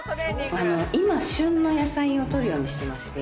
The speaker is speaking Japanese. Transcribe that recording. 今、旬の野菜をとるようにしてまして。